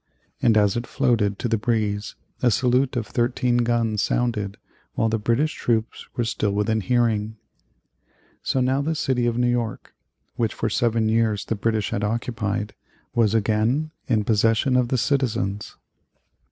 And as it floated to the breeze a salute of thirteen guns sounded while the British troops were still within hearing. So now the city of New York, which for seven years the British had occupied, was again in possession of the citizens.